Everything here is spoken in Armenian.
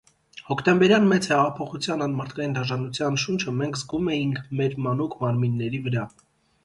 Հոկտեմբերյան Մեծ հեղափոխության անմարդկային դաժանության շունչը մենք զգում էինք մեր մանուկ մարմինների վրա։